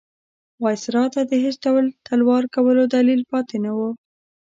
وایسرا ته د هېڅ ډول تلوار کولو دلیل پاتې نه وو.